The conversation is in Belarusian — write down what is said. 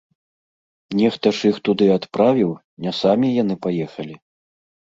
Нехта ж іх туды адправіў, не самі яны паехалі.